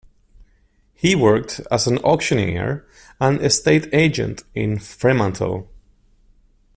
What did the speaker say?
He worked as an auctioneer and estate agent in Fremantle.